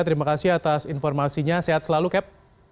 terima kasih atas informasinya sehat selalu cap